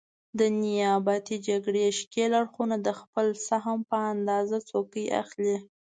د نیابتي جګړې ښکېل اړخونه د خپل سهم په اندازه څوکۍ اخلي.